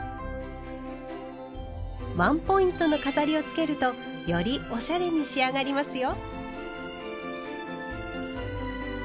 ワンポイントの飾りをつけるとよりおしゃれに仕上がりますよ。